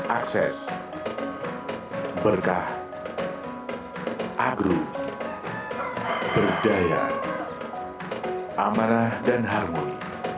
akses berkah agro berdaya amanah dan harmoni